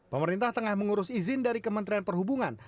pemerintah tengah mengurus izin dari kementerian perhubungan